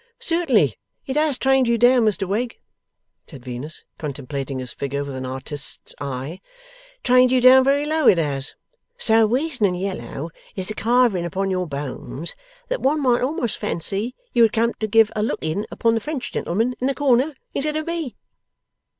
'Certainly, it has trained you down, Mr Wegg,' said Venus, contemplating his figure with an artist's eye. 'Trained you down very low, it has! So weazen and yellow is the kivering upon your bones, that one might almost fancy you had come to give a look in upon the French gentleman in the corner, instead of me.